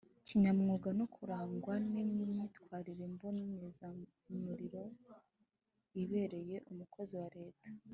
kinyamwuga no kurangwa n imyitwarire mbonezamurimo ibereye Umukozi wa Leta